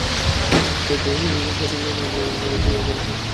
শুধু নিজে সরে গেলেনই না, রোনালদোকে এবারের বর্ষসেরা আগাম ঘোষণাও করলেন।